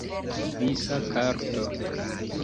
Visa karto.